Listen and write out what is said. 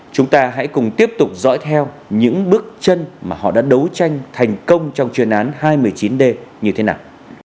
chúng ta hãy cùng tiếp tục dõi theo những bước chân mà họ đã đấu tranh thành công trong chuyên án hai mươi chín d như thế nào